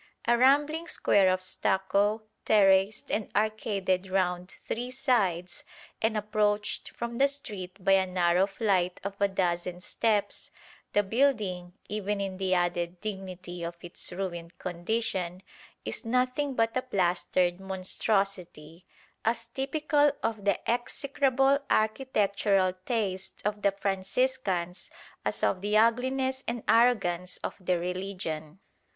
A rambling square of stucco, terraced and arcaded round three sides and approached from the street by a narrow flight of a dozen steps, the building, even in the added dignity of its ruined condition, is nothing but a plastered monstrosity, as typical of the execrable architectural taste of the Franciscans as of the ugliness and arrogance of their religion.